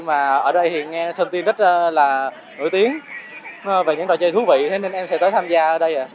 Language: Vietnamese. mà ở đây thì nghe sơn tiên rất là nổi tiếng về những trò chơi thú vị thế nên em sẽ tới tham gia ở đây